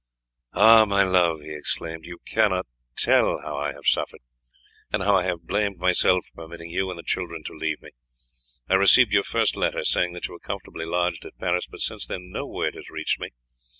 "Ah, my love!" he exclaimed, "you cannot tell how I have suffered, and how I have blamed myself for permitting you and the children to leave me. I received your first letter, saying that you were comfortably lodged at Paris, but since then no word has reached me.